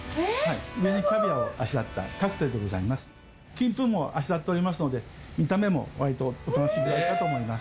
金粉もあしらっておりますので見た目も割とお楽しみいただけるかと思います。